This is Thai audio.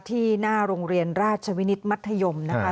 ที่หน้าโรงเรียนราชวินิตมัธยมนะคะ